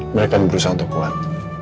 mereka berusaha untuk kuat